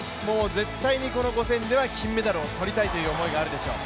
絶対にこの５０００では金メダルを取りたいという思いがあるでしょう。